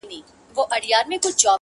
ول کمک را سره وکړه زما وروره,